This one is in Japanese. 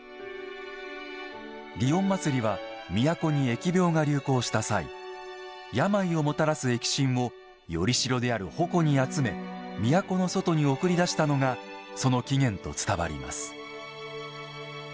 祇園祭は、都に疫病が流行した際病をもたらす疫神をよりしろである鉾に集め都の外に送り出したのがその起源と伝わります。